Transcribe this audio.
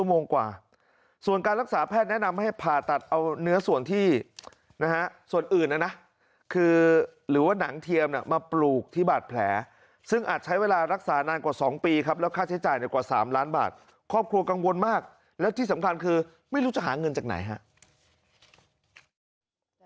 ส่วนการรักษาแพทย์แนะนำให้ผ่าตัดเอาเนื้อส่วนที่นะฮะส่วนอื่นนะนะคือหรือว่าหนังเทียมมาปลูกที่บาดแผลซึ่งอาจใช้เวลารักษานานกว่า๒ปีครับแล้วค่าใช้จ่ายในกว่า๓ล้านบาทครอบครัวกังวลมากและที่สำคัญคือไม่รู้จะหาเงินจากไหนครับ